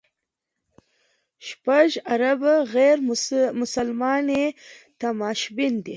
شپږ اربه غیر مسلمان یې تماشبین دي.